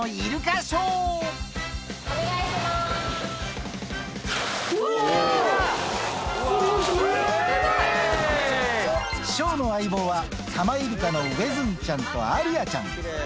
ショーの相棒は、カマイルカのウェズンちゃんとアリアちゃん。